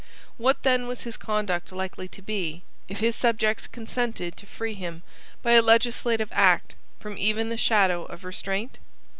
What then was his conduct likely to be, if his subjects consented to free him, by a legislative act, from even the shadow of restraint?